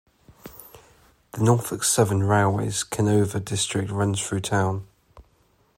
The Norfolk Southern Railway's Kenova District runs through town.